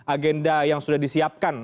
agenda yang sudah disiapkan